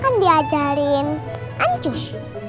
kan diajarin ancus